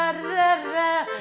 cincin di jari manisku